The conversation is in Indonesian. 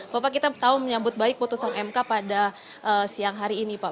bapak kita tahu menyambut baik putusan mk pada siang hari ini pak